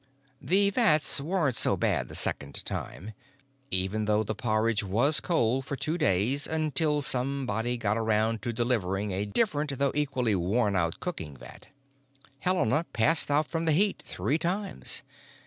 The vats weren't so bad the second time. Even though the porridge was cold for two days, until somebody got around to delivering a different though equally worn out cooking vat. Helena passed out from the heat three times.